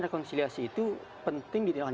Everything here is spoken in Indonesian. rekonsiliasi itu penting ditindakkan